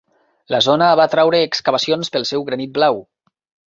La zona va atraure excavacions pel seu "granit blau".